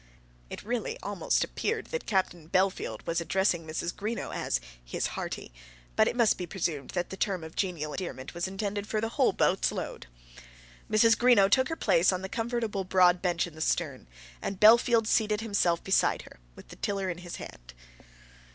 It really almost appeared that Captain Bellfield was addressing Mrs. Greenow as "his hearty," but it must be presumed that the term of genial endearment was intended for the whole boat's load. Mrs. Greenow took her place on the comfortable broad bench in the stern, and Bellfield seated himself beside her, with the tiller in his hand.